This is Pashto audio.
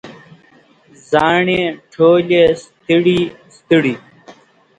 زاڼې ټولې ستړي، ستړي